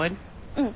うん。